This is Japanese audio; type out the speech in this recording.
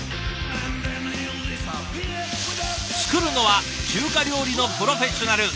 作るのは中華料理のプロフェッショナル。